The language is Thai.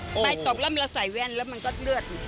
นี่ไปตบแล้วใส่แว่นแล้วมันก็เลือด